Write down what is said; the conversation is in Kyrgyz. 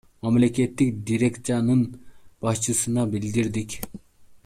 Мамлекеттик дирекциянын башчысына билдирдик.